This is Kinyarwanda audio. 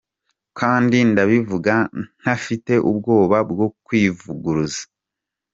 Kandi ndabivuga ntafite ubwoba bwo kwivuguruza”.